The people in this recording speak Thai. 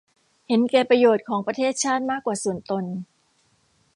เห็นแก่ประโยชน์ของประเทศชาติมากกว่าส่วนตน